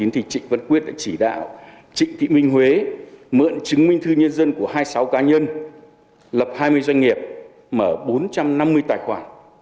trịnh văn quyết đã chỉ đạo trịnh thị minh huế mượn chứng minh thư nhân dân của hai mươi sáu cá nhân lập hai mươi doanh nghiệp mở bốn trăm năm mươi tài khoản